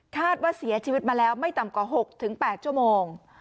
คาดว่าเสียชีวิตมาแล้วไม่ต่ำกว่า๖๘ชั่วโมง